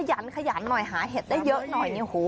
ยันขยันหน่อยหาเห็ดได้เยอะหน่อย